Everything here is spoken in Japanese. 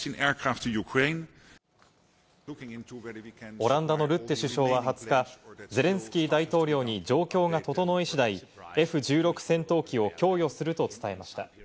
オランダのルッテ首相は２０日、ゼレンスキー大統領に、状況が整い次第、Ｆ１６戦闘機を供与すると伝えました。